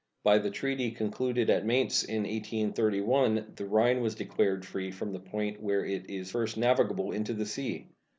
By the treaty concluded at Mayence in 1831 the Rhine was declared free from the point where it is first navigable into the sea.